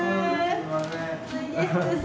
すみません。